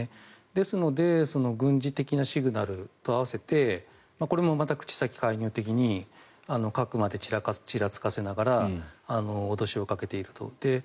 ですので軍事的なシグナルと合わせてこれもまた口先介入的に核をちらつかせながら脅しをかけていると。